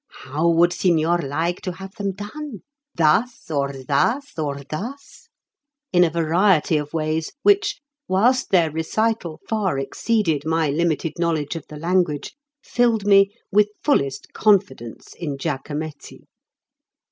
How would signor like to have them done? Thus, or thus, or thus?" in a variety of ways which, whilst their recital far exceeded my limited knowledge of the language, filled me with fullest confidence in Giacommetti.